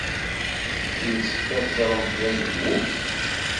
Yessefk ad treẓmemt tazewwut?